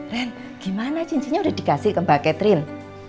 ren gimana cincinnya udah dikasih ke mbak catril